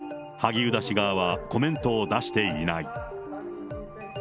現時点で、萩生田氏側はコメントを出していない。